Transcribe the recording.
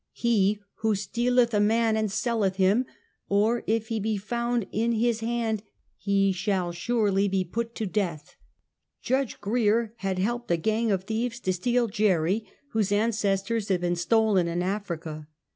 He who stealeth a man and selleth him, or if he be found in his hand, he shall surely be put to death." Judge Grier had helped a gang of thieves to steal Jerry, whose ancestors had been stolen in Africa.